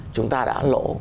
chúng ta đã lộ